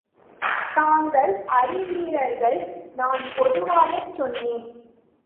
தாங்கள் அறிவீர்கள்!... நான் பொதுவாகச் சொன்னேன்.